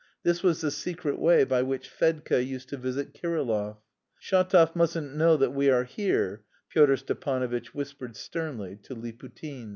This was the secret way by which Fedka used to visit Kirillov. "Shatov mustn't know that we are here," Pyotr Stepanovitch whispered sternly to Liputin.